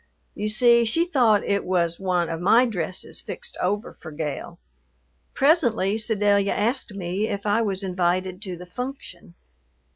You see, she thought it was one of my dresses fixed over for Gale. Presently Sedalia asked me if I was invited to the "function."